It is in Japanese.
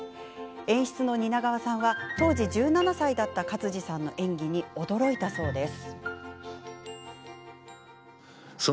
演出の蜷川さんは当時１７歳だった勝地さんの演技に驚いたそうです。